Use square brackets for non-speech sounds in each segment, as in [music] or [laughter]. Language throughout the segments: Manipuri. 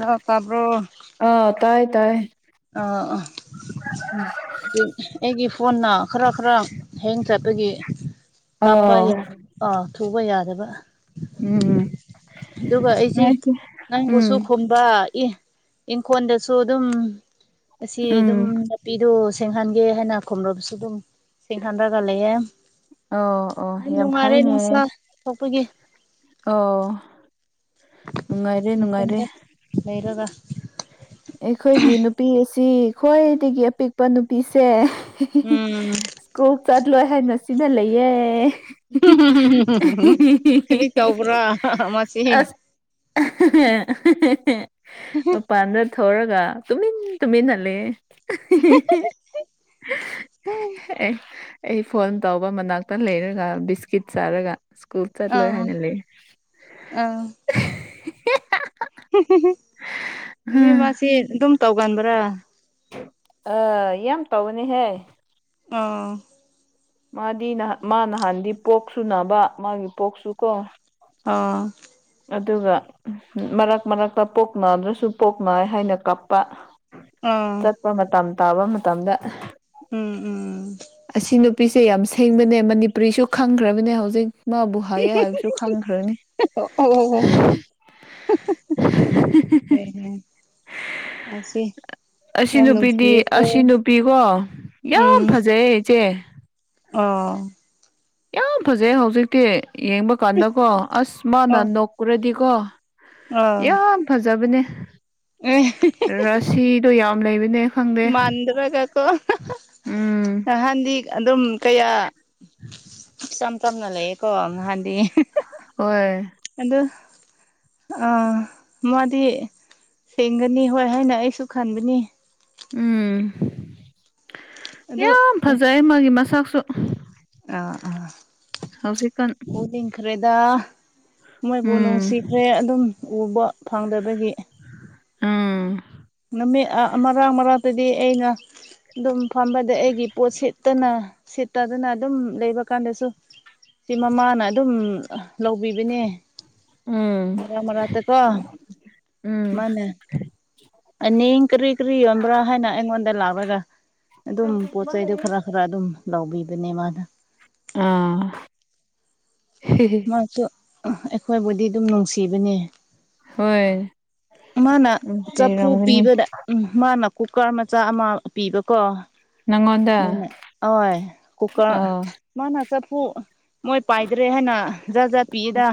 ꯍ ꯀꯥꯕ꯭ꯔꯣ ꯑꯥ ꯇꯥꯏ ꯇꯥꯏ ꯑ ꯑꯩꯒꯤ ꯐꯣꯟꯅ ꯈꯔ ꯈꯔ ꯍꯦꯡ ꯆꯠꯄꯒꯤ ꯇꯥꯄ ꯑꯥ ꯌꯥꯗꯕ ꯑꯥ ꯊꯨꯕ ꯌꯥꯗꯕ ꯎꯝ ꯑꯗꯨꯒ ꯑꯩꯁꯤ ꯅꯪꯕꯨꯁꯨ ꯎꯝ ꯈꯣꯝ ꯗ ꯏ ꯏꯪꯈꫭꯟꯗꯁꯨ ꯑꯗꯨꯝ ꯑꯁꯤ ꯑꯗꯨꯝ ꯎꯝ ꯅꯥꯄꯤꯗꯨ ꯁꯦꯡꯍꯟꯒꯦ ꯍꯥꯏꯅ ꯈꯨꯝꯂꯕꯁꯨ ꯑꯗꯨꯝ ꯁꯦꯡꯍꯟꯔꯒ ꯂꯩꯌꯦ ꯑꯣ ꯑꯣ ꯌꯥꯝ ꯅꯨꯡꯉꯥꯏꯔꯦ ꯐꯩꯅꯦ ꯅꯨꯡꯁꯥ ꯊꯣꯛꯄꯒꯤ ꯑꯣ ꯅꯨꯡꯉꯥꯏꯔꯦ ꯅꯨꯡꯉꯥꯏꯔꯦ ꯂꯩꯔꯒ ꯑꯩꯈꯣꯏꯒꯤ ꯅꯨꯄꯤ ꯑꯁꯤ ꯈ꯭ꯋꯥꯏꯗꯒꯤ ꯑꯄꯤꯛꯄ ꯅꯨꯄꯤꯁꯦ ꯎꯝ ꯁ꯭ꯀꯨꯜ ꯆꯠꯂꯣꯏ ꯍꯥꯏꯅ ꯁꯤꯅ ꯂꯩꯌꯦ ꯎꯝ ꯎꯝ ꯎꯝ ꯎꯝ ꯈꯅꯤ ꯇꯧꯕ꯭ꯔꯥ ꯃꯥꯁꯤ ꯑꯦ ꯊꯣꯔꯒ ꯇꯨꯃꯤꯟ ꯇꯨꯃꯤꯟꯅ ꯂꯩꯌꯦ ꯑ ꯑꯩ ꯐꯣꯟ ꯇꯧꯕ ꯃꯅꯥꯛꯇ ꯂꯩꯔꯒ ꯕꯤꯁꯀꯤꯠ ꯆꯥꯔꯒ ꯁ꯭ꯀꯨꯜ ꯆꯠꯂꯣꯏ ꯍꯥꯏꯅ ꯂꯩ ꯑ ꯑꯗꯨꯏ ꯍꯝ ꯃꯥꯁꯤ ꯑꯗꯨꯝ ꯇꯧꯒꯟꯕ꯭ꯔꯥ ꯑ ꯌꯥꯝ ꯇꯧꯕꯅꯤꯍꯦ ꯑꯥ ꯃꯥꯗꯤꯥꯟ ꯃꯥ ꯅꯍꯥꯟꯗꯤ ꯄꯣꯛ ꯁꯨꯅꯕ ꯃꯥꯒꯤ ꯄꯣꯛꯁꯨ ꯀꯣ ꯑꯣ ꯑꯗꯨꯒ ꯃꯔꯛ ꯃꯔꯛꯇ ꯄꯣꯛ ꯅꯥꯗ꯭ꯔꯁꯨ ꯄꯣꯛ ꯅꯥꯏ ꯍꯥꯏꯅ ꯀꯥꯞꯄ ꯑꯥ ꯇ ꯃꯇꯝ ꯇꯥꯕ ꯃꯇꯝꯗ ꯎꯝ ꯎꯝ ꯑꯁꯤ ꯅꯨꯄꯤꯁꯦ ꯌꯥꯝ ꯁꯦꯡꯕꯅꯦ ꯃꯅꯤꯄꯨꯔꯤꯁꯨ ꯈꯪꯈ꯭ꯔꯕꯅꯦ ꯍꯧꯖꯤꯛ ꯃꯥꯕꯨ ꯍꯥꯏꯌꯦ ꯍꯥꯏꯕꯁꯨ ꯈꯪꯈ꯭ꯔꯅꯤ ꯑꯣ ꯑꯣ ꯑꯦ ꯑ ꯁꯤ ꯑꯁꯤ ꯅꯨꯄꯤꯗꯤ ꯑꯁꯤ ꯅꯨꯄꯤꯀꯣ ꯌꯥꯝ ꯎꯝ ꯐꯖꯩꯌꯦ ꯏꯆꯦ ꯑꯣ ꯌꯥꯝ ꯐꯖꯩ ꯍꯧꯖꯤꯛꯇꯤ ꯌꯦꯡꯕ ꯀꯥꯟꯗꯀꯣ ꯑꯁ ꯃꯥꯅ ꯑꯣ ꯅꯣꯛꯀꯨꯔꯗꯤꯀꯣ ꯑꯥ ꯌꯥꯝ ꯐꯖꯕꯅꯦ ꯑꯦ ꯔꯁꯤꯗꯣ ꯌꯥꯝ ꯂꯩꯕꯅꯦ ꯈꯪꯗꯦ ꯃꯟꯗ꯭ꯔꯒ ꯀꯣ ꯎꯝ ꯅꯍꯥꯟꯗꯤ ꯑꯗꯨꯝ ꯀꯌꯥ ꯏꯆꯝ ꯆꯝꯅ ꯂꯩꯌꯦꯀꯣ ꯉꯍꯥꯟꯗꯤ ꯍꯣꯏ ꯑꯗꯨ ꯑꯥ ꯃꯥꯗꯤ ꯁꯦꯡꯒꯅꯤ ꯍꯣꯏ ꯍꯥꯏꯅ ꯑꯩꯁꯨ ꯈꯟꯕꯅꯤ ꯎꯝ ꯑꯗꯨ ꯌꯥꯝ ꯐꯖꯩ ꯃꯥꯒꯤ ꯃꯁꯛꯁꯨ ꯑꯥ ꯑꯥ ꯍꯧꯖꯤ ꯀꯥꯟ ꯈꯨꯗꯤꯡꯈ꯭ꯔꯦꯗ ꯃꯣꯏꯕꯨ ꯎꯝ ꯅꯨꯡꯁꯤꯈ꯭ꯔꯦ ꯑꯗꯨꯝ ꯎꯕ ꯐꯪꯗꯕꯒꯤ ꯎꯝ ꯅꯨꯃꯤꯠ ꯑ ꯑꯃꯔꯛ ꯃꯔꯛꯇꯗꯤ ꯑꯩꯅ ꯑꯗꯨꯝ ꯐꯝꯕꯗ ꯑꯩꯒꯤ ꯄꯣꯠ ꯁꯤꯠꯇꯅ ꯁꯤꯠꯇꯗꯅ ꯑꯗꯨꯝ ꯂꯩꯕ ꯀꯥꯟꯗꯁꯨ ꯁꯤ ꯃꯃꯥꯅ ꯑꯗꯨꯝ ꯂꯧꯕꯤꯕꯅꯦ ꯎꯝ ꯃꯔꯥ ꯃꯔꯥ ꯇ ꯀꯣ ꯎꯝ ꯃꯥꯅꯦ ꯑꯅꯤꯡ ꯀꯔꯤ ꯀꯔꯤ ꯌꯣꯟꯕ꯭ꯔꯥ ꯍꯥꯏꯅ ꯑꯩꯉꯣꯟꯗ ꯂꯥꯛꯂꯒ ꯑꯗꯨꯝ ꯄꯣꯠ ꯆꯩꯗꯨ ꯈꯔ ꯈꯔ ꯑꯗꯨꯝ ꯂꯧꯕꯤꯕꯅꯦ ꯃꯥꯅ ꯑꯥ ꯍꯤ ꯍꯤ ꯃꯍꯥꯛ ꯑꯩꯈꯣꯏꯕꯨꯗꯤ ꯑꯗꯨꯝ ꯅꯨꯡꯁꯤꯕꯅꯦ ꯍꯣꯏ ꯃꯥꯅ ꯆꯐꯨ ꯅꯨꯡꯁꯤꯔꯝꯒꯅꯤ ꯄꯤꯕꯗ ꯎꯝ ꯃꯥꯅ ꯀꯨꯀꯔ ꯃꯆꯥ ꯑꯃ ꯄꯤꯕꯀꯣ ꯅꯪꯉꯣꯟꯗ ꯃ ꯍꯣꯏ ꯀꯨꯀꯔ ꯑꯥ ꯃꯥꯅ ꯆꯐꯨ ꯃꯣꯏ ꯄꯥꯏꯗ꯭ꯔꯦ ꯍꯥꯏ ꯖꯥꯠ ꯖꯥꯠ ꯄꯤꯗ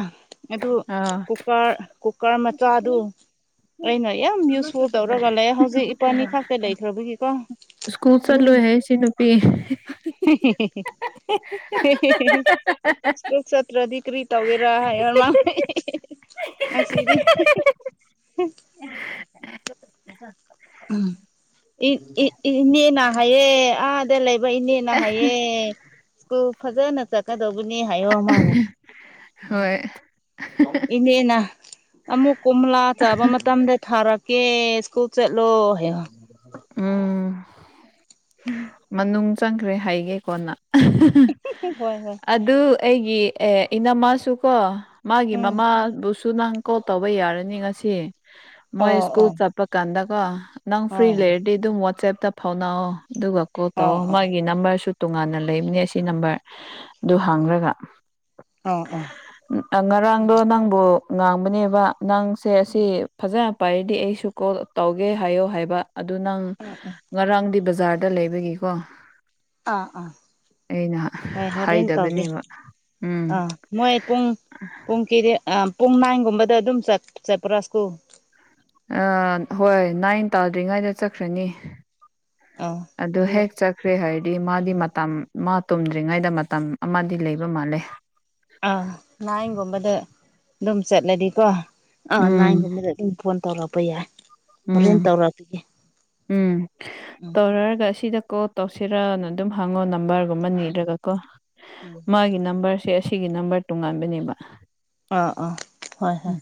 ꯑꯗꯨ ꯑꯥ ꯀꯨꯀꯔ ꯀꯨꯀꯔ ꯃꯆꯥꯗꯨ ꯑꯩꯅ ꯌꯥꯝ ꯌꯨ ꯁꯣꯔ ꯇꯧꯔꯒ ꯂꯩ ꯍꯧꯖꯤꯛ ꯏꯄꯥꯅꯤ ꯈꯇ ꯂꯩꯈ꯭ꯔꯕꯒꯤꯀꯣ ꯁ꯭ꯀꯨꯜ ꯆꯠ ꯑꯗꯨꯝ ꯂꯣꯏꯍꯦ ꯁꯤ ꯅꯨꯨꯄꯤ [unintelligible] [unintelligible] ꯑꯦꯁꯦ ꯀ꯭ꯔꯗꯤ ꯀ꯭ꯔꯤ ꯇꯧꯒꯦꯔꯥ ꯍꯥꯏꯌ ꯃꯥ ꯑꯁꯤꯗꯤ ꯎ ꯅꯅ ꯍꯌꯦ ꯑ ꯗ ꯂꯩꯕ ꯏꯅꯦꯅ ꯍꯥꯏꯌꯦꯦ ꯁ꯭ꯀꯨꯜ ꯐꯖꯅ ꯆꯠꯀꯗꯧꯕꯅꯤ ꯍꯥꯏꯌꯣ ꯑꯃꯕꯨ ꯎꯝ ꯍ ꯏꯅꯦꯅꯥ ꯑꯃꯨꯛ ꯀꯣꯝꯂꯥ ꯆꯥꯕ ꯃꯇꯝꯗ ꯊꯥꯔꯛꯀꯦ ꯁ꯭ꯀꯨꯜ ꯆꯠꯂꯣ ꯍꯥꯏ ꯎꯝ ꯃꯅꯨ ꯆꯪꯈ꯭ꯔꯦ ꯍꯩꯒꯦ ꯀꯣꯟꯅ ꯍꯣꯏ ꯍꯣꯏ ꯑꯗꯨ ꯑꯩꯒꯤ ꯏꯅꯃꯥꯁꯨꯀꯣ ꯃꯥꯒꯤ ꯎꯝ ꯃꯃꯥꯕꯨꯁꯨ ꯁꯨ ꯅꯪ ꯀꯣꯜ ꯇꯧꯕ ꯌꯥꯔꯅꯤ ꯉꯁꯤ ꯃꯣꯏ ꯑꯣ ꯁ꯭ꯀꯨꯜ ꯑꯣ ꯆꯠꯄ ꯀꯥꯟꯗꯀꯣ ꯅꯪ ꯐ꯭ꯔꯤ ꯍꯣꯏ ꯍꯣꯏ ꯂꯩꯔꯗꯤ ꯑꯗꯨꯝ ꯋꯥꯆꯦꯞꯇ ꯐꯥꯎꯅꯑꯣ ꯑꯗꯨꯒ ꯀꯣꯜ ꯑꯣ ꯇꯧꯑꯣ ꯑꯣ ꯃꯥꯒꯤ ꯒꯤ ꯅꯝꯕꯔꯁꯨ ꯇꯣꯉꯥꯟꯅ ꯂꯩꯕꯅꯦ ꯁꯤ ꯅꯝꯕꯔ ꯑꯗꯨ ꯍꯥꯡꯈ꯭ꯔꯒ ꯑꯣ ꯑꯣ ꯎꯝ ꯉꯔꯥꯡꯗꯣ ꯅꯪꯕꯨ ꯉꯥꯡꯕꯅꯦꯕ ꯅꯪꯁꯦ ꯑꯁꯤ ꯐꯖꯅ ꯄꯥꯏꯔꯗꯤ ꯑꯩꯁꯨ ꯀꯣꯜ ꯇꯧꯒꯦ ꯍꯥꯏꯌꯣ ꯍꯥꯏꯕ ꯑꯗꯨ ꯅꯪ ꯉꯔꯥꯡꯗꯤ ꯕꯖꯥꯔꯗ ꯂꯩꯕꯒꯤꯀꯣ ꯑꯥ ꯑꯥ ꯑꯩꯅ ꯍꯣꯏ ꯍꯣꯔꯦꯟ ꯇꯧꯒꯦ ꯍꯩꯗꯕꯅꯦꯕ ꯎꯝ ꯑꯥ ꯃꯣꯏ ꯄꯨꯡ ꯄꯨꯡ ꯀꯦ ꯄꯨꯡ ꯅꯥꯏꯟꯒꯨꯝꯕꯗ ꯑꯗꯨꯝ ꯆꯠꯄ꯭ꯔꯥ ꯁ꯭ꯀꯨꯜ ꯍꯣꯏ ꯅꯥꯏꯟ ꯇꯥꯗ꯭ꯔꯤꯉꯩꯗ ꯆꯠꯈ꯭ꯔꯅꯤ ꯑꯗꯨ ꯍꯦꯛ ꯆꯠꯈ꯭ꯔꯦ ꯍꯥꯏꯗꯤ ꯃꯥꯗꯤ ꯃꯇꯝ ꯃꯥ ꯇꯨꯝꯗ꯭ꯔꯤꯉꯩꯗ ꯃꯇꯝ ꯑꯃꯗꯤ ꯂꯩꯕ ꯃꯥꯜꯂꯦ ꯑꯥ ꯅꯥꯏꯟꯒꯨꯝꯕꯗ ꯑꯗꯨꯝ ꯆꯠꯂꯗꯤꯀꯣ ꯑꯥ ꯎꯝ ꯅꯥꯏꯟꯒꯨꯝꯕꯗ ꯐꯣꯟ ꯇꯧꯔꯛꯄ ꯌꯥꯏ ꯍꯣꯔꯦꯟ ꯎꯝ ꯇꯧꯔꯛꯄꯤꯒꯦ ꯎꯝ ꯎꯝ ꯇꯧꯔꯑꯒ ꯁꯤꯗꯀꯣ ꯇꯧꯁꯤꯔꯅ ꯑꯗꯨꯝ ꯍꯪꯉꯣ ꯅꯝꯕꯔꯒꯨꯝꯕ ꯅꯤꯔꯒꯀꯣ ꯎꯝ ꯃꯥꯒꯤ ꯅꯝꯕꯔꯁꯦ ꯑꯁꯤꯒꯤ ꯅꯝꯕꯔ ꯇꯣꯉꯥꯟꯕꯅꯦꯕ ꯑꯥ ꯑꯥ ꯍꯣꯏ ꯍꯣꯏ ꯎꯝ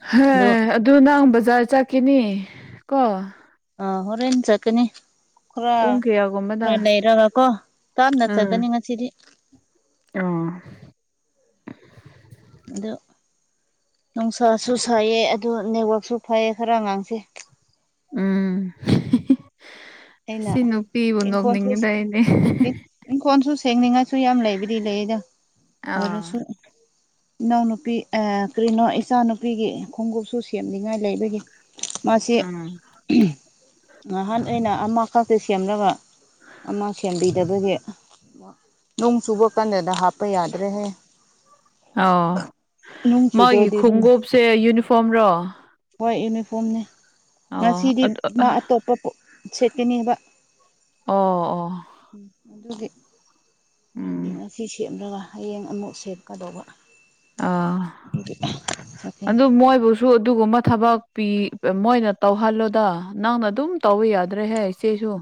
ꯍ ꯑꯗꯨ ꯑꯗꯨ ꯅꯪ ꯕꯖꯥꯔ ꯆꯠꯈꯤꯅꯤ ꯀꯣ ꯑ ꯍꯣꯔꯦꯟꯟ ꯆꯀꯅꯤ ꯈꯔ ꯄꯨꯡ ꯀꯌꯥꯒꯨꯝꯕꯗ ꯈꯔ ꯂꯩꯔꯒ ꯀꯣ ꯇꯥꯞꯅ ꯆꯠꯀꯅꯤ ꯉꯁꯤꯗꯤ ꯑꯥ ꯑ ꯅꯨꯡꯁꯥꯁꯨ ꯁꯥꯏꯩꯌꯦ ꯑꯗꯨ ꯅꯦꯠꯋꯥꯛꯁꯨ ꯐꯩꯌꯦ ꯈꯔ ꯉꯥꯡꯁꯦ ꯎꯝ ꯑꯩꯅ ꯑꯁꯤ ꯅꯨꯄꯤꯕꯨ ꯅꯣꯛꯅꯤꯡꯉꯗꯏꯅꯦ ꯏꯪꯈꯣꯟꯜꯁꯨ ꯁꯦꯡꯅꯤꯡꯉꯥꯏꯁꯨ ꯌꯥꯝ ꯂꯩꯕꯗꯤ ꯂꯩꯗ ꯑꯥ ꯑꯣꯏꯔꯁꯨ ꯏꯅꯥꯎꯅꯨꯄꯤ ꯀꯔꯤꯅꯣ ꯏꯆꯥꯅꯨꯄꯤꯒꯤ ꯈꯣꯡꯎꯞꯁꯨ ꯁꯦꯝꯅꯤꯡꯉꯥꯏ ꯂꯩꯕꯒꯤ ꯃꯥꯁꯤ ꯎꯝ ꯅꯍꯥꯟ ꯑꯩꯅ ꯑꯃꯈꯛꯇꯦ ꯁꯦꯝꯅꯕ ꯑꯃ ꯁꯦꯝꯕꯤꯗꯕꯁꯦ ꯅꯣꯡ ꯆꯨꯕ ꯀꯥꯟꯗꯗ ꯍꯥꯞꯄ ꯌꯥꯗ꯭ꯔꯦꯍꯦ ꯑꯥꯎ ꯅꯣꯡ ꯃꯥꯒꯤ ꯆꯨꯗ꯭ꯔꯗꯤ ꯑꯗꯨꯝ ꯈꯣꯡꯎꯣꯞꯁꯦ ꯌꯨꯅꯤꯐꯣꯔꯝꯔꯣ ꯍꯣꯏ ꯌꯨꯅꯤꯐꯣꯔꯝꯅꯦ ꯑꯣ ꯉꯁꯤꯗꯤ ꯑꯗꯨ ꯃꯥ ꯑꯇꯣꯞꯄ ꯁꯦꯠꯀꯅꯤꯕ ꯑꯣ ꯑꯣ ꯎꯝ ꯑꯗꯨꯒꯤ ꯑꯗꯨꯗꯤ ꯎꯝ ꯉꯁꯤ ꯁꯦꯠꯂꯒ ꯍꯌꯦꯡ ꯑꯃꯨꯛ ꯁꯦꯠꯀꯗꯧꯕ ꯑꯥ ꯑꯗꯨꯗꯤ ꯑꯗꯨ ꯑꯗꯨ ꯃꯣꯏꯕꯨ ꯊ꯭ꯔꯨ ꯑꯗꯨꯒꯨꯝꯕ ꯊꯕꯛ ꯄꯤ ꯃꯣꯏꯅ ꯇꯧꯍꯜꯂꯣꯗ ꯅꯪꯅ ꯑꯗꯨꯝ ꯇꯧꯕ ꯌꯥꯗ꯭ꯔꯦꯍ ꯁꯨ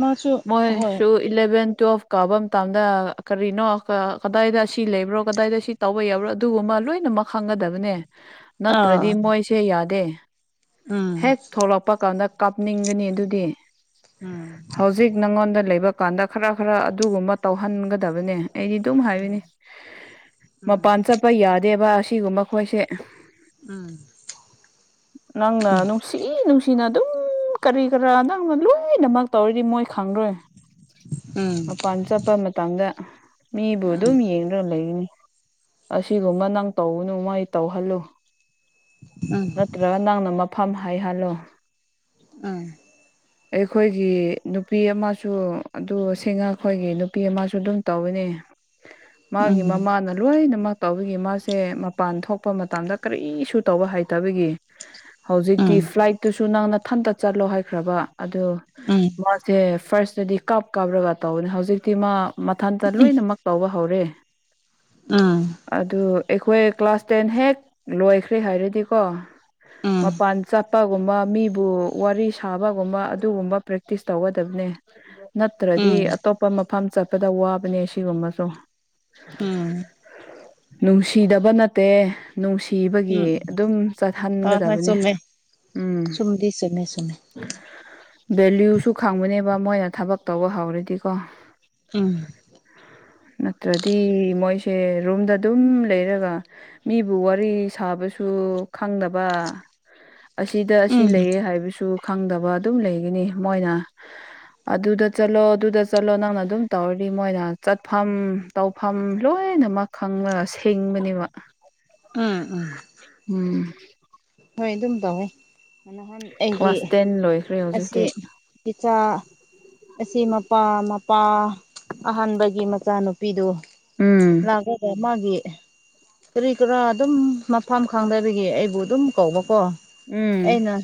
ꯃꯥꯁꯨ ꯍꯣꯏ ꯃꯣꯏꯁꯨ ꯏꯂꯦꯚꯦꯟ ꯇꯨꯋꯦꯜꯐ ꯀꯥꯕ ꯃꯇꯝꯗ ꯀꯔꯤꯅꯣ ꯀꯗꯥꯏꯗ ꯑꯁꯤ ꯂꯩꯕ꯭ꯔꯣ ꯀꯗꯥꯏꯗ ꯁꯤ ꯇꯧꯕ ꯌꯥꯎꯔꯣ ꯑꯗꯨꯒꯨꯝꯕ ꯂꯣꯏꯅꯃꯛ ꯈꯥꯡꯒꯗꯕ ꯅꯠꯇ꯭ꯔꯗꯤ ꯑꯥ ꯃꯣꯏꯁꯦ ꯌꯥꯗꯦ ꯎꯝ ꯍꯦꯛ ꯊꯣꯛꯣꯂꯛꯄ ꯀꯥꯟꯗ ꯀꯥꯞꯅꯤꯡꯒꯅꯤ ꯑꯗꯨꯗꯤ ꯎꯝ ꯍꯧꯖꯤꯛ ꯅꯪꯉꯣꯟꯗ ꯂꯩꯕ ꯀꯥꯟꯗ ꯈꯔ ꯈꯔ ꯑꯗꯨꯒꯨꯝꯕ ꯇꯧꯍꯟꯒꯗꯕꯅꯦ ꯑꯩꯗꯤ ꯑꯗꯨꯝ ꯍꯥꯏꯕꯅꯤ ꯎꯝ ꯃꯄꯥꯟ ꯆꯠꯄ ꯌꯥꯗꯦꯕ ꯑꯁꯤꯒꯨꯝꯕ ꯑꯩꯈꯣꯏꯁꯦ ꯎꯝ ꯅꯪꯅ ꯅꯨꯡꯁꯤ ꯅꯨꯡꯁꯤꯅ ꯑꯗꯨꯝ ꯀꯔꯤ ꯀꯔꯥ ꯅꯪꯅ ꯂꯣꯏꯅꯃꯛ ꯇꯧꯔꯤꯗꯤ ꯃꯣꯏ ꯈꯪꯗꯣꯏ ꯎꯝ ꯑ ꯄ ꯑꯟꯆꯥꯄꯃ ꯇꯉ ꯃꯤꯕꯨ ꯎꯝ ꯑꯗꯨꯝ ꯌꯦꯡꯗꯨꯅ ꯂꯩꯅꯤ ꯑꯁꯤꯒꯨꯝꯕ ꯅꯪ ꯇꯧꯅꯨ ꯃꯣꯏ ꯇꯧꯍꯜꯂꯨ ꯎꯝ ꯅꯠꯇ꯭ꯔꯒ ꯅꯪꯅ ꯃꯐꯝ ꯍꯥꯏꯍꯜꯂꯨ ꯑꯝ ꯑꯩꯈꯣꯏꯒꯤ ꯅꯨꯄꯤ ꯑꯃꯁꯨ ꯑꯗꯨ ꯁꯤꯡꯉ ꯑꯩꯈꯣꯏꯒꯤ ꯅꯨꯄꯤ ꯑꯃꯁꯨ ꯑꯗꯨꯝ ꯇꯧꯋꯤꯅꯦ ꯎꯝ ꯎꯝ ꯎꯝ ꯃꯥꯒꯤ ꯃꯃꯥꯅ ꯂꯣꯏꯅꯃꯛ ꯇꯥꯎꯕꯤꯈꯤ ꯃꯥꯁꯦ ꯃꯄꯥꯟ ꯊꯣꯛ ꯄꯄ ꯃꯇꯝꯗ ꯀꯔꯤꯁꯨ ꯇꯧꯕ ꯍꯥꯏꯇꯕꯒꯤ ꯍꯧꯖꯤꯛꯇꯤ ꯐ꯭ꯂꯥꯏꯠ ꯇꯨꯁꯨ ꯅꯪꯅ ꯊꯟꯇ ꯆꯠꯂꯣ ꯍꯥꯏꯈ꯭ꯔꯕ ꯑꯗꯨ ꯑꯪ ꯃꯥꯁꯦ ꯐꯥꯔꯁꯇꯗꯤ ꯀꯥꯞ ꯀꯥꯞꯔꯒ ꯇꯧꯕꯅꯤ ꯍꯧꯖꯤꯛꯇꯤ ꯃꯥ ꯃꯊꯟꯇ ꯂꯣꯏꯅꯃꯛ ꯇꯧꯕ ꯍꯧꯔꯦ ꯑꯗꯨ ꯑꯩꯈꯣꯏ ꯀ꯭ꯂꯥꯁ ꯀꯣꯇꯦꯟ ꯍꯦꯛ ꯂꯣꯏꯈ꯭ꯔꯦ ꯍꯥꯏꯔꯗꯤꯀꯣ ꯎꯝ ꯃꯄꯥꯟ ꯆꯥꯄꯒꯨꯝꯕ ꯃꯤ ꯕꯨ ꯋꯥꯔꯤ ꯁꯥꯕꯒꯨꯝꯕ ꯑꯗꯨꯒꯨꯝꯕ ꯄ꯭ꯔꯦꯛꯇꯤꯁ ꯇꯧꯒꯗꯕꯅꯦ ꯅꯠꯇ꯭ꯔꯗꯤ ꯑꯇꯣꯞꯄ ꯃꯐꯝ ꯆꯠꯄꯗ ꯋꯥꯕꯅꯦ ꯁꯤꯒꯨꯝꯕꯁꯨ ꯎꯝ ꯅꯨꯡꯁꯤꯗꯕ ꯅꯠꯇꯦ ꯅꯨꯡꯁꯤꯕꯒꯤ ꯎꯝ ꯑꯗꯨꯝ ꯍꯣꯏ ꯍꯣꯏ ꯆꯠꯍꯟꯒꯗꯕꯅꯦ ꯆꯨꯝꯃꯦ ꯎꯝ ꯆꯨꯝꯗꯤ ꯆꯨꯝꯃꯦ ꯆꯨꯝꯃꯦ ꯚꯦꯂꯨꯁꯨ ꯈꯪꯕꯅꯦꯕ ꯃꯣꯏꯅ ꯊꯕꯛ ꯇꯧꯕ ꯍꯧꯔꯗꯤꯀꯣ ꯏꯪ ꯅꯠꯇ꯭ꯔꯗꯤ ꯃꯣꯏꯁꯦ ꯔꯨꯝꯗ ꯑꯗꯨꯝ ꯂꯩꯔꯒ ꯃꯤꯕꯨ ꯋꯥꯔꯤ ꯁꯥꯕꯁꯨ ꯈꯪꯗꯕ ꯑꯁꯤꯗ ꯑꯁꯤ ꯎꯝ ꯂꯩꯌꯦ ꯍꯥꯏꯕꯁꯨ ꯈꯪꯗꯕ ꯑꯗꯨꯝ ꯂꯩꯒꯅꯤ ꯃꯣꯏꯅ ꯑꯗꯨꯗ ꯆꯠꯂꯣ ꯑꯗꯨꯗ ꯆꯠꯂꯣ ꯅꯪꯅ ꯑꯗꯨꯝ ꯇꯧꯔꯗꯤ ꯃꯣꯏꯅ ꯆꯠꯐꯝ ꯇꯧꯐꯝ ꯂꯣꯏꯅꯃꯛ ꯈꯪꯉꯒ ꯁꯦꯡꯕꯅꯦꯕ ꯎꯝ ꯎꯝ ꯎꯝ ꯍꯣꯏ ꯑꯗꯨꯝ ꯇꯧꯋꯦ ꯅꯍꯥꯟ ꯑꯩꯒꯤ ꯀ꯭ꯂꯥꯁ ꯇꯦꯟ ꯂꯣꯏꯈ꯭ꯔꯦ ꯑꯁꯤ ꯍꯧꯖꯤꯛꯇꯤ ꯄꯤꯖꯆꯥ ꯑꯁꯤ ꯃꯄꯥ ꯃꯄꯥ ꯑꯍꯥꯟꯕꯒꯤ ꯃꯆꯥꯅꯨꯄꯤꯗꯨ ꯎꯝ ꯂꯒꯒ ꯃꯥꯒꯤ ꯀꯔꯤ ꯀꯔꯥ ꯑꯗꯨꯝ ꯃꯐꯝ ꯈꯪꯗꯕꯒꯤ ꯑꯩꯕꯨ ꯑꯗꯨꯝ ꯀꯧꯕꯀꯣ ꯎꯝ ꯑꯩꯅ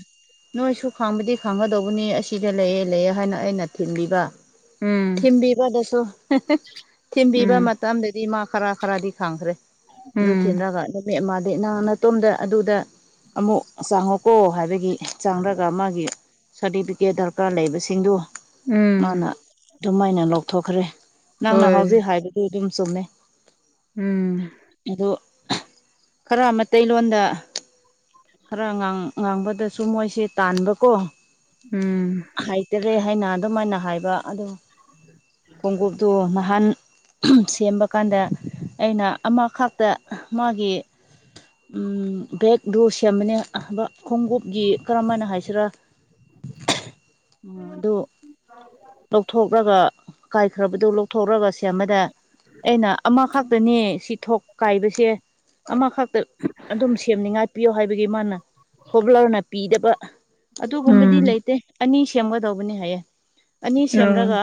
ꯅꯣꯏ ꯁ ꯈꯥꯡꯕꯗꯤ ꯈꯥꯡꯒꯗꯧꯕꯅꯤ ꯑꯁꯤꯗ ꯂꯩꯌꯦꯦ ꯂꯩꯌꯦꯦ ꯍꯥꯏꯅ ꯑꯩꯅ ꯊꯤꯟꯕꯤꯕ ꯎꯝ ꯊꯤꯡꯕꯤ ꯄꯗ ꯁꯣ ꯊꯤꯟꯕꯤꯕ ꯎꯝ ꯃꯇꯝꯗꯗꯤ ꯃꯥ ꯈꯔ ꯈꯔꯗꯤ ꯈꯪꯈ꯭ꯔꯦ ꯑꯗꯨ ꯎꯝ ꯊꯤꯟꯔꯒ ꯃ ꯃꯥꯗꯤ ꯅꯍ ꯅꯇꯣꯝꯗ ꯑꯗꯨꯗ ꯑꯃꯨꯛ ꯆꯥꯡꯉꯨꯀꯣ ꯍꯥꯏꯕꯒꯤ ꯆꯥꯡꯔꯒ ꯃꯥꯒꯤ ꯁꯥꯔꯇꯤꯐꯤꯀꯦꯠ ꯗꯔꯀꯥꯔ ꯂꯩꯕꯁꯤꯡꯗꯨ ꯎꯝ ꯃꯥꯅ ꯑꯗꯨꯃꯥꯏꯅ ꯂꯧꯊꯣꯛꯈ꯭ꯔꯦ ꯅꯪꯅ ꯍꯣꯏ ꯍꯥꯎꯖꯩ ꯍꯥꯏꯕꯗꯨ ꯑꯗꯨꯝ ꯆꯨꯝꯃꯦ ꯎꯝ ꯑ ꯈꯔ ꯃꯠꯇꯩ ꯂꯣꯟꯗ ꯈꯔ ꯉꯥꯡꯕꯗꯁꯨ ꯃꯣꯏꯁꯦ ꯇꯥꯟꯕꯀꯣ ꯎꯝ ꯍꯥꯏꯇꯔꯦ ꯍꯥꯏꯅ ꯑꯗꯨꯝꯥꯏꯅ ꯍꯥꯏꯕ ꯑꯗꯣ ꯈꯣꯡꯎꯞꯇꯨ ꯅꯍꯥꯟ ꯁꯦꯝꯕ ꯀꯥꯟꯗ ꯑꯩꯅ ꯑꯃꯈꯥꯛꯇ ꯃꯥꯒꯤ ꯕꯦꯛ ꯔꯣ ꯁꯦꯝ ꯁꯦꯝꯕꯅꯦꯕ ꯈꯣꯡꯎꯞꯀꯤ ꯀꯔꯝ ꯍꯥꯏꯅ ꯍꯥꯏꯁꯤꯔꯥ ꯑꯗꯨ ꯂꯧꯊꯣꯛꯂꯒ ꯀꯥꯏꯈ꯭ꯔꯕꯗꯨ ꯂꯧꯊꯣꯛꯔꯒ ꯁꯦꯝꯦ ꯑꯃꯗ ꯑꯩꯅ ꯑꯃꯈꯛꯇꯅꯤ ꯁꯤ ꯊꯣꯛ ꯀꯥꯏꯕꯁꯦ ꯑꯃꯈꯛꯇ ꯑꯗꯨꯝ ꯁꯦꯝꯅꯤꯡꯉꯥꯏꯥꯛꯄꯤꯌꯣ ꯍꯥꯏꯕ ꯅ ꯈꯣꯕꯂꯔꯅ ꯄꯤꯗꯕ ꯑꯗꯨꯒꯨꯝꯕꯗꯤ ꯂꯩ ꯎꯝ ꯂꯩꯇꯦ ꯑꯅꯤ ꯁꯦꯝꯒꯗꯧꯕꯅꯤ ꯍꯥꯏꯌꯦ ꯑꯅꯤ ꯎꯝ ꯁꯦꯝꯔꯒ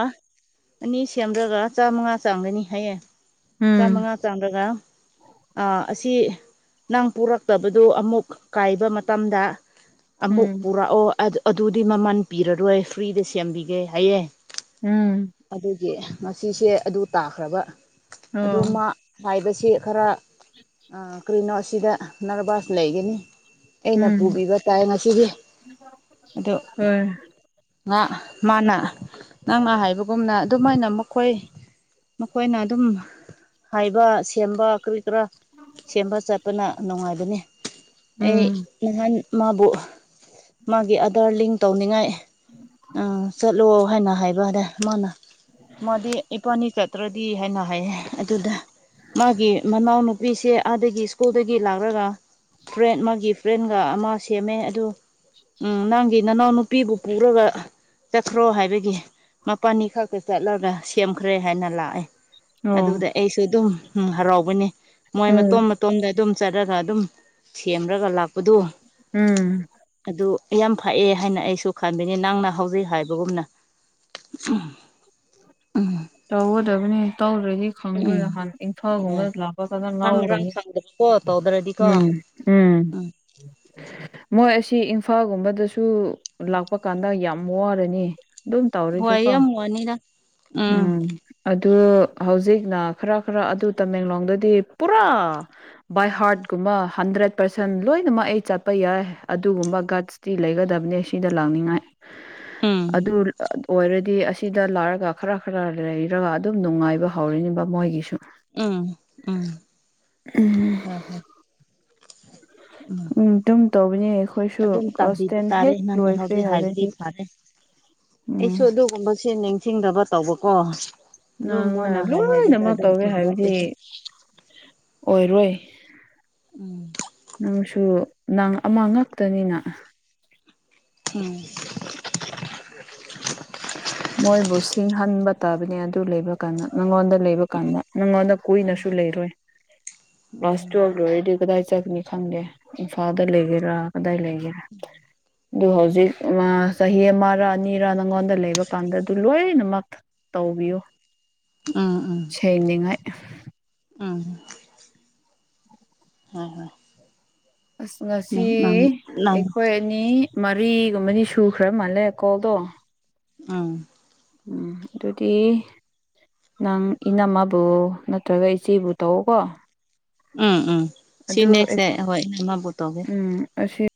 ꯑꯅꯤ ꯁꯦꯝꯂꯒ ꯆꯥꯃꯉꯥ ꯆꯥꯒꯅꯤ ꯍꯥꯏꯌꯦꯦ ꯎꯝ ꯆꯥꯃꯉꯥ ꯆꯥꯔꯒ ꯑꯁꯤ ꯅꯪ ꯄꯨꯔꯛꯇꯕꯗꯨ ꯑꯃꯨꯛ ꯀꯥꯏꯕ ꯃꯇꯝꯗ ꯑꯃꯨꯛ ꯎꯝ ꯄꯨꯔꯛꯑꯣ ꯑꯗꯨꯗꯤ ꯃꯃꯜ ꯄꯤꯔꯔꯣꯏ ꯐ꯭ꯔꯤꯗ ꯁꯦꯝꯕꯤꯒꯦ ꯍꯥꯏꯌꯦꯦ ꯎꯝ ꯑꯗꯨꯒꯤ ꯉꯁꯤꯁꯦ ꯑꯗꯨ ꯇꯥꯈ꯭ꯔꯕ ꯑꯗꯨ ꯑꯣ ꯃꯥ ꯍꯥꯏꯕꯁꯦ ꯈꯔ ꯀꯔꯤꯅꯣ ꯑꯁꯤꯗ ꯅꯔꯚꯁ ꯂꯩꯒꯅꯤ ꯑꯩꯅ ꯎꯝ ꯄꯨꯕꯤꯕ ꯇꯥꯏ ꯉꯁꯤꯗꯤ ꯑ ꯍꯣꯏ ꯉꯥ ꯃꯥꯅ ꯉ ꯉꯥ ꯍꯥꯏꯕꯒꯨꯝꯅ ꯑꯗꯨꯃꯥꯏꯅ ꯃꯈꯣꯏ ꯃꯈꯣꯏꯅ ꯑꯗꯨꯝ ꯍꯥꯏꯕ ꯁꯦꯝꯕ ꯈꯔ ꯁꯦꯝꯕ ꯆꯠꯄꯅ ꯅꯨꯡꯉꯥꯏꯕꯅꯤ ꯑꯩ ꯎꯝ ꯅꯍꯥꯟ ꯃꯥꯕꯨ ꯃꯥꯒꯤ ꯑꯥꯙꯔ ꯂꯤꯡ ꯇꯧꯅꯤꯡꯉꯥꯏ ꯑꯥ [inaudible] ꯆꯠꯂꯣ ꯍꯥꯏꯅ ꯍꯥꯏꯕ ꯑꯗꯦ ꯃꯥꯅ ꯃꯥꯗꯤ ꯏꯄꯥꯅꯤ ꯆꯠꯇ꯭ꯔꯗꯤ ꯍꯥꯏꯅ ꯍꯥꯏꯌꯦ ꯑꯗꯨꯗ ꯃꯥꯒꯤ ꯃꯅꯥꯎꯅꯨꯄꯤꯁꯦ ꯑꯥꯗꯒꯤ ꯁ꯭ꯀꯨꯜꯗꯒꯤ ꯂꯥꯛꯂꯒ [inaudible] ꯐ꯭ꯔꯦꯟ ꯃꯥꯒꯤ ꯐ꯭ꯔꯦꯟꯒ ꯑꯃ ꯁꯦꯝꯃꯦ ꯑꯗꯨ ꯅꯪꯒꯤ ꯅꯅꯥꯎꯅ ꯅꯨꯄꯤꯕꯨ ꯄꯨꯔꯒ ꯆꯠꯈ꯭ꯔꯣ ꯍꯥꯏꯕꯒꯤ ꯃꯄꯥꯅꯤ ꯈꯛꯇ ꯆꯠꯂꯒ ꯁꯦꯝꯈ꯭ꯔꯦ ꯍꯥꯏꯅ ꯂꯥꯛꯑꯦ ꯑꯣ ꯑꯗꯨꯗ ꯑꯩꯁꯨ ꯑꯗꯨꯝ ꯍꯔꯥꯎꯕꯅꯤ ꯃꯣꯏ ꯎꯝ ꯃꯇꯣꯝ ꯃꯇꯣꯝꯗ ꯑꯗꯨꯝ ꯆꯠꯂꯒ ꯑꯗꯨꯝ ꯁꯦꯝꯔꯒ ꯂꯥꯛꯄꯗꯨꯣ ꯎꯝ ꯑꯗꯨ ꯌꯥꯝ ꯐꯛꯑꯦ ꯍꯥꯏꯅ ꯑꯩꯁꯨ ꯈꯟꯕꯅꯤ ꯅꯪꯅ ꯍꯧꯖꯤꯛ ꯍꯥꯏꯕꯒꯨꯝꯅ ꯎ ꯑ ꯇꯧꯒꯗꯕꯅꯤ ꯇꯧꯗ꯭ꯔꯗꯤ ꯈꯪꯗ꯭ꯔꯣꯏꯅ ꯍꯥꯟꯅ ꯏꯪꯈꯥꯜꯒꯨꯝꯕ ꯂꯥꯛꯄ ꯀꯗ ꯉꯥꯎꯔꯅꯤ ꯀꯣ ꯇꯧꯗ꯭ꯔꯗꯤ ꯀꯣ ꯎꯝ ꯎꯝ ꯃꯣꯏ ꯑꯁꯤ ꯑꯐꯥꯒꯨꯝꯕꯗꯁꯨ ꯂꯥꯛꯄ ꯀꯥꯟꯗ ꯌꯥꯝ ꯋꯥꯔꯅꯤ ꯑꯗꯨꯝ ꯇꯧꯔꯗꯤꯀꯣ ꯋꯅꯤꯗ ꯎꯝ ꯑꯗꯨ ꯍꯧꯖꯤꯛꯅ ꯈꯔ ꯈꯔ ꯑꯗꯨ ꯇꯃꯦꯡꯂꯣꯡꯗꯗꯤ ꯄꯨꯔꯥ ꯕꯥꯏ ꯍꯥꯔꯠꯀꯨꯝꯕ ꯍꯟꯗ꯭ꯔꯦꯠ ꯄꯥꯔꯁꯦꯟꯠ ꯂꯣꯏꯅꯃꯛ ꯑꯩ ꯆꯠꯄ ꯌꯥꯏ ꯑꯗꯨꯒꯨꯝꯕ ꯒꯠꯁ ꯇꯤ ꯂꯩꯒꯗꯕꯅꯦ ꯁꯤꯗ ꯂꯥꯛꯅꯤꯡꯉꯥꯏ ꯎꯝ ꯑꯗꯨ ꯑꯣꯏꯔꯗꯤ ꯑꯁꯤꯗ ꯂꯥꯛꯑꯒ ꯈꯔ ꯈꯔ ꯂꯩꯔꯒ ꯑꯗꯨꯝ ꯅꯨꯡꯉꯥꯏꯕ ꯍꯧꯔꯤꯅꯤꯕ ꯃꯣꯏꯒꯤꯁꯨ ꯎꯝ ꯎꯝ ꯍ ꯎꯝ ꯗꯨꯝ ꯇꯧꯕꯅꯦ ꯑꯩꯈꯣꯏꯁꯨ ꯑꯗꯨꯝ ꯀ꯭ꯂꯥꯁ ꯇꯝꯕꯤꯕ ꯇꯦꯟ ꯇꯥꯔꯦ ꯍꯦꯛ ꯅꯪꯅ ꯂꯣꯏꯈ꯭ꯔꯦ ꯍꯧꯖꯤꯛ ꯍꯥꯏꯕꯗꯤ ꯍꯥꯏꯔꯗꯤ ꯐꯔꯦ ꯎꯝ ꯑꯩꯁꯨ ꯑꯗꯨꯒꯨꯝꯕꯁꯦ ꯅꯤꯡꯁꯤꯡꯗꯕ ꯇꯧꯕꯀꯣ ꯑꯗꯨꯝ ꯅꯪꯅ ꯃꯣꯏꯅ ꯍꯥꯏ ꯍꯥꯏꯕꯗ ꯂꯣꯏꯅꯃꯛ ꯑꯗꯨꯝ ꯇꯧꯒꯦ ꯍꯥꯏꯕꯗꯤ ꯑꯣꯏꯔꯣꯏ ꯎꯝ [inaudible] ꯅꯪꯁꯨ ꯅꯪ ꯑꯃ ꯉꯛꯇꯅꯤꯅ ꯎꯝ ꯃꯣꯏꯕꯨ ꯁꯤꯡꯍꯟꯕ ꯇꯥꯕꯅꯤ ꯑꯗꯨ ꯂꯩꯕ ꯀꯥꯟꯗ ꯅꯪꯉꯣꯟꯗ ꯂꯩꯕ ꯀꯥꯟꯗ ꯅꯪꯉꯣꯟꯗ ꯀꯨꯏꯅꯁꯨ ꯂꯩꯔꯣꯏ ꯀ꯭ꯂꯥꯁ ꯇꯨꯌꯦꯜꯞ ꯂꯣꯏꯔꯗꯤ ꯀꯗꯥꯏ ꯆꯠꯅꯤ ꯈꯪꯗꯦ ꯏꯝꯐꯥꯜꯗ ꯂꯩꯒꯦꯔꯥ ꯀꯗꯥꯏ ꯂꯩ ꯑꯗꯨ ꯍꯧꯖꯤꯛ ꯆꯍꯤ ꯑꯃꯔ ꯑꯅꯤꯔ ꯅꯪꯉꯣꯟꯗ ꯂꯩꯕ ꯇꯟꯗꯔ꯭ꯗꯤ ꯂꯣꯏꯅꯃꯛ ꯇꯧꯕꯤꯌꯨ ꯎꯥ ꯎꯝ ꯁꯦꯡꯅꯤꯡꯉꯥꯏ ꯎꯝ ꯍꯣꯏ ꯍꯣꯏ ꯑꯁ ꯉꯁꯤ ꯅꯪ ꯅꯪ ꯅꯪ ꯑꯩꯈꯣꯏ ꯑꯅꯤ ꯃꯔꯤ ꯃꯔꯤ ꯁꯨꯈ꯭ꯔꯦ ꯃꯥꯜꯂꯦ ꯀꯣꯗꯣ ꯑꯥꯎ ꯎꯝ ꯑꯗꯨꯗꯤ ꯅꯪ ꯏꯅꯝꯃꯕꯨ ꯅꯠꯇ꯭ꯔꯒ ꯏꯆꯦꯕꯨ ꯇꯧꯑꯣꯀꯣ ꯎꯝ ꯎꯝ ꯁꯤ ꯅꯦꯛꯁꯦ ꯍꯣꯏ ꯏꯃꯕꯨ ꯇꯧꯒꯦ ꯎꯝ ꯑꯁꯤ